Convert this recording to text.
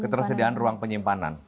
ketersediaan ruang penyimpanan